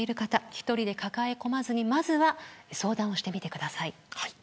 １人で抱え込まずにまずは相談してみてください。